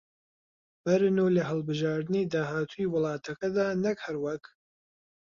بەرن و لە هەڵبژاردنی داهاتووی وڵاتەکەدا نەک هەر وەک